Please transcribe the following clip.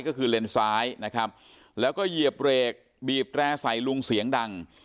ก็คือเลนซ้ายนะครับแล้วก็เหยียบเบรกบีบแร่ใส่ลุงเสียงดัง